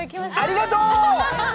ありがとう！